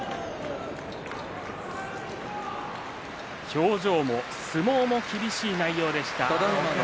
表情も相撲も厳しい内容でした。